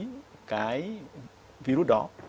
sử lý cái virus đó